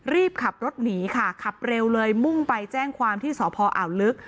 รีบขับรถหนีค่ะขับเร็วเลยมุ่งไปแจ้งความที่สพอ่าวลึก